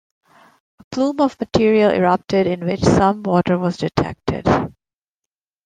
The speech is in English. A plume of material erupted in which some water was detected.